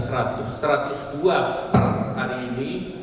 rp satu ratus dua per hari ini